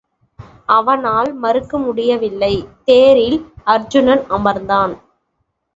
அவனால் மறுக்க முடியவில்லை தேரில் அருச்சுனன் அமர்ந்தான்.